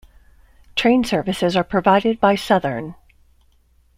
Train services are provided by Southern.